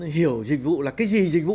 hiểu dịch vụ là cái gì dịch vụ